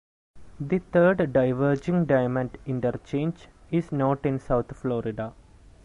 The third diverging-diamond interchange is not in South Florida.